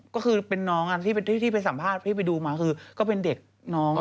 ก็คือเป็นน้องที่ไปสัมภาษณ์พี่ไปดูมาคือก็เป็นเด็กน้อง